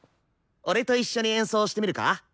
俺と一緒に演奏してみるか？